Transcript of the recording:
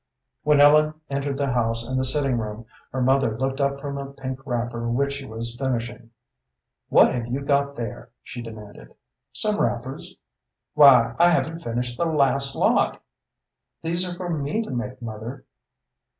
When Ellen entered the house and the sitting room, her mother looked up from a pink wrapper which she was finishing. "What have you got there?" she demanded. "Some wrappers." "Why, I haven't finished the last lot." "These are for me to make, mother."